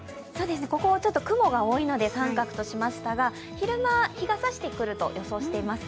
ここはちょっと雲が多いので△としましたが昼間、日がさしてくると、予想しています。